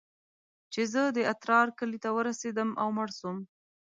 چې زه د اترار کلي ته ورسېدم او مړ سوم.